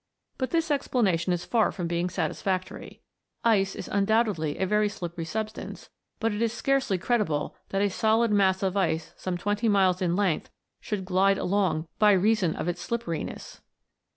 But this explanation is far from being satisfactory. Ice is undoubtedly a very slippery substance, but it is scarcely credible that a solid mass of ice some twenty miles in length should glide along by rea son of its slipperiness.